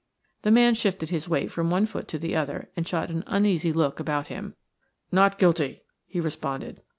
The man shifted his weight from one foot to the other and shot an uneasy look about him. "Not guilty," he responded.